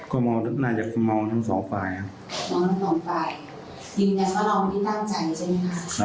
คือวันนั้นเมากันเยอะไหม